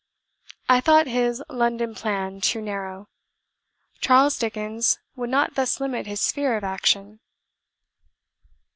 I thought his London plan too narrow. Charles Dickens would not thus limit his sphere of action.